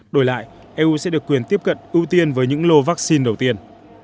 đổi lại eu sẽ được quyền tiếp cận ưu tiên với những lô vaccine đầu tiên